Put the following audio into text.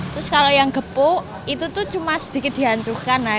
terus kalau yang gepuk itu tuh cuma sedikit dihancurkan